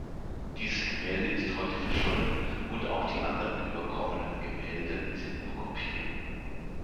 Dieses Gemälde ist heute verschollen und auch die anderen überkommenen Gemälde sind nur Kopien.